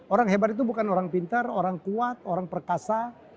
orang hebat itu bukan orang pintar orang kuat orang perkasa